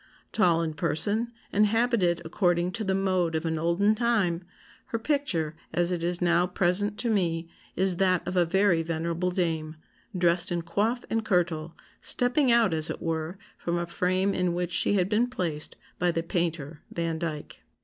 Tall in person, and habited according to the 'mode' of an olden time, her picture, as it is now present to me, is that of a very venerable dame, dressed in coif and kirtle, stepping out, as it were, from a frame in which she had been placed by the painter Vandyke."